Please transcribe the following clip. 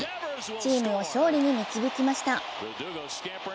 チームを勝利に導きました。